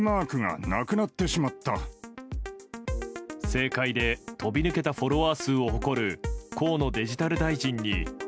政界で飛び抜けたフォロワー数を誇る河野デジタル大臣に。